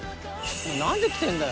「何で来てんだよ？」